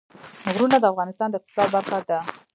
غرونه د افغانستان د اقتصاد برخه ده.